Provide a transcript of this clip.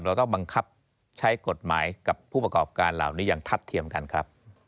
เราต้องบังคับใช้กฎหมายกับผู้ประกอบการเหล่านี้อย่างทัดเทียมกันครับ